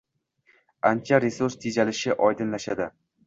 Ancha resurs tejalishi oydinlashadi.